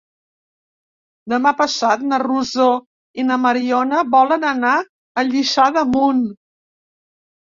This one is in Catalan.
Demà passat na Rosó i na Mariona volen anar a Lliçà d'Amunt.